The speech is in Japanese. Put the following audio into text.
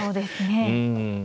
うん。